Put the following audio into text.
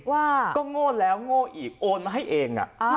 ว่าก็โง่แล้วโง่อีกโอนมาให้เอง